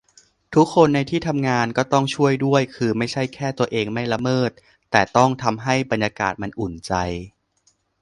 ทุกคนในที่ทำงานก็ต้องช่วยด้วย คือไม่ใช่แค่ตัวเองไม่ละเมิด แต่ต้องทำให้บรรยากาศมันอุ่นใจ